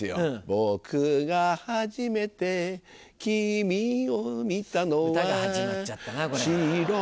僕が初めて君を見たのは歌が始まっちゃったなこれ。